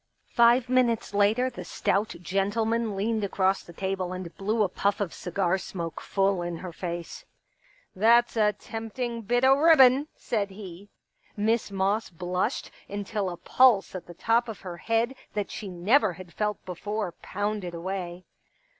Five minutes later the stout gentleman leaned across the table and blew a puff of cigar smoke full in her face. " That's a tempting bit o* ribbon !" said he. Miss Moss blushed until a pulse at the top of her head that she never had felt before pounded away.